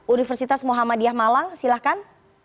universitas muhammadiyah malang silahkan